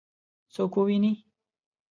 څوک وویني؟